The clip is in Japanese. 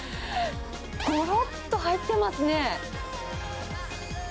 ごろっと入ってますね。